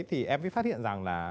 thì em mới phát hiện rằng là